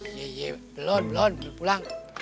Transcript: iya iya belon belon belum pulang